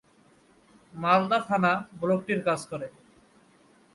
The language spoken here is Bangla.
মালদা থানা ব্লকটির কাজ করে।